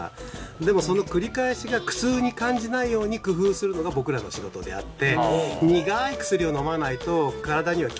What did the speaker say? でもその繰り返しが苦痛に感じないように工夫するのが僕らの仕事であって。